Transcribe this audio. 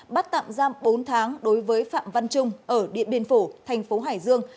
bắt tạm giam bốn tháng đối với phạm văn trung ở điện biên phổ thành phố hải dương